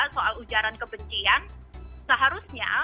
soal ujaran kebencian seharusnya